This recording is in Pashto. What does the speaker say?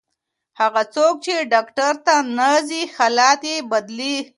هغه څوک چې ډاکټر ته نه ځي، حالت یې بدتریږي.